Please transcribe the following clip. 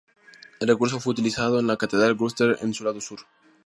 El recurso fue muy utilizado en la Catedral Gloucester, en su lado sur.